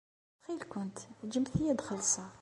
Ttxil-kent ǧǧemt-iyi ad xellṣeɣ.